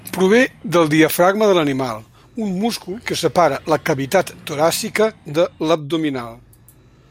Prové del diafragma de l'animal, un múscul que separa la cavitat toràcica de l'abdominal.